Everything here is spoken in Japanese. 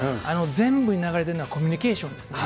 全部に流れているのはコミュニケーションですね。